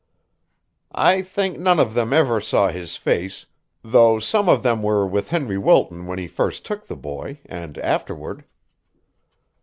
"I think none of them ever saw his face, though some of them were with Henry Wilton when he first took the boy, and afterward."